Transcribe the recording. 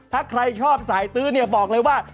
ถ้าใครชอบสายตื๊ดบอกเลยว่า